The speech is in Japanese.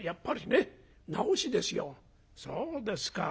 そうですか。